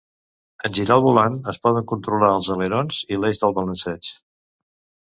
En girar el volant es poden controlar els alerons i l'eix de balanceig.